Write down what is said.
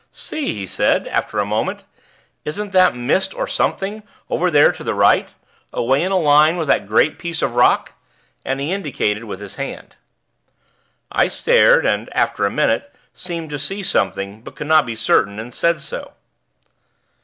"See!" he said, after a moment, "isn't that mist or something, over there to the right away in a line with that great piece of rock?" And he indicated with his hand. I stared, and, after a minute, seemed to see something, but could not be certain, and said so.